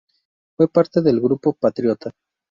Fue parte del grupo patriota.